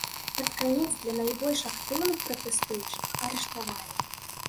Пад канец для найбольш актыўных пратэстуючых арыштавалі.